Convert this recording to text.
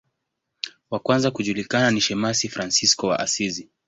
Wa kwanza kujulikana ni shemasi Fransisko wa Asizi.